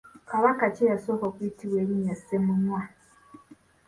Kabaka ki eyasooka okuyitibwa erinnya Ssemunywa?